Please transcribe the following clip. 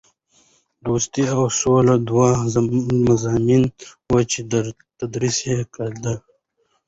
دوستي او سوله دوه مضامین وو چې تدریس کېدل.